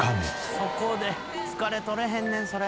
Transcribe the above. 「そこで疲れ取れへんねんそれ」